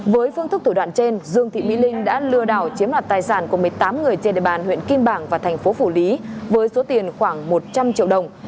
với phương thức thủ đoạn trên dương thị mỹ linh đã lừa đảo chiếm đoạt tài sản của một mươi tám người trên địa bàn huyện kim bảng và thành phố phủ lý với số tiền khoảng một trăm linh triệu đồng